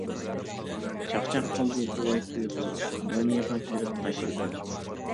چاقچاق قىلدى بوۋاي تۇيۇقسىز، مومىيىغا كۈلۈپ تاش ئېتىپ.